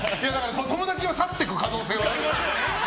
友達は去っていく可能性は。